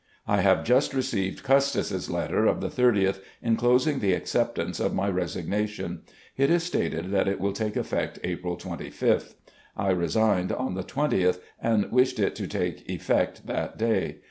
... I have just received Custis's letter of the 30th, inclosing the acceptance of my resignation. It is stated that it will take effect April 25th. I resigned on the 20th, and wished it to take effect that day.